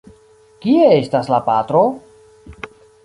Kie estas la patro?